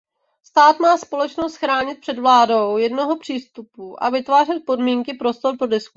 Stát má společnost chránit před vládou jednoho přístupu a vytvářet podmínky prostor pro diskuzi.